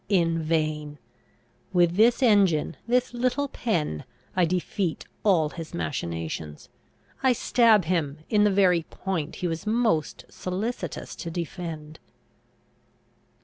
In vain! With this engine, this little pen, I defeat all his machinations; I stab him in the very point he was most solicitous to defend!